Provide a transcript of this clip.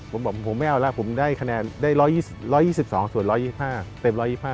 ผมบอกผมไม่เอาแล้วผมได้คะแนนได้๑๒๒ส่วน๑๒๕เต็ม๑๒๕